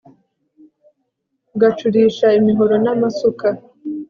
ugacurisha imihoro n'amasuka